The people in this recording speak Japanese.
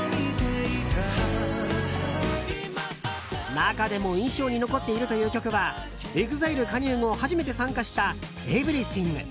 中でも印象に残っているという曲はＥＸＩＬＥ加入後初めて参加した「Ｅｖｅｒｙｔｈｉｎｇ」。